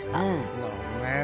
なるほどね。